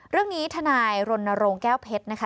เรื่องนี้ทนายรณรงค์แก้วเพชรนะคะ